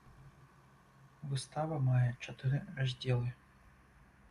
Выстава мае чатыры раздзелы.